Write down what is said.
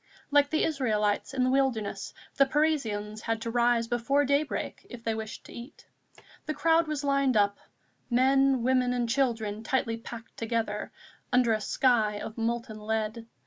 Like the Israelites in the wilderness, the Parisians had to rise before daybreak if they wished to eat. The crowd was lined up, men, women and children tightly packed together, under a sky of molten lead.